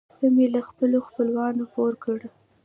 څه مې له خپلو خپلوانو پور کړې.